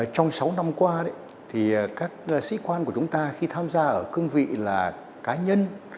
trong sáu năm qua các sĩ quan của chúng ta khi tham gia ở cương vị là cá nhân